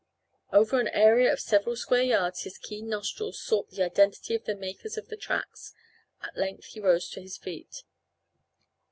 Over an area of several square yards his keen nostrils sought the identity of the makers of the tracks. At length he rose to his feet.